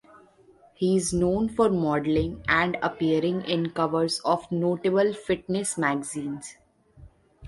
He is known for modelling and appearing in covers of notable fitness magazines.